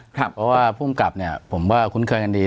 เพราะว่าภูมิกับเนี่ยผมก็คุ้นเคยกันดี